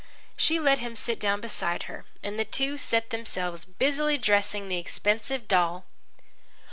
She let him sit down beside her, and the two set themselves busily dressing the expensive doll.